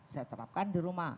saya terapkan di rumah